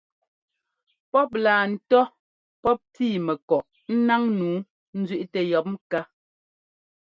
Pɔ́p laa ńtɔ́ pɔ́p tíi mɛkɔꞌ ńnáŋ nǔu ńzẅíꞌtɛ yɔ̌p ŋká.